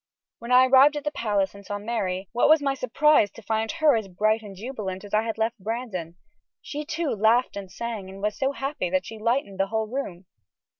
When I arrived at the palace and saw Mary, what was my surprise to find her as bright and jubilant as I had left Brandon. She, too, laughed and sang, and was so happy that she lighted the whole room.